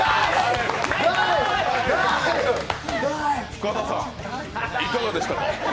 深田さん、いかがでしたか？